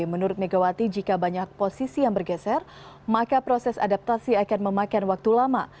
menurut megawati jika banyak posisi yang bergeser maka proses adaptasi akan memakan waktu lama